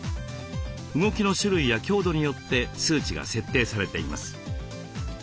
動きの種類や強度によって数値が設定されています。